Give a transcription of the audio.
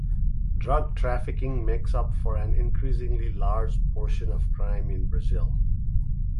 Drug trafficking makes up for an increasingly large portion of crime in Brazil.